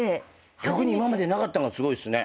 逆に今までなかったのがすごいっすね。